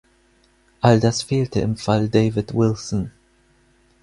All das fehlte im Fall David Wilson.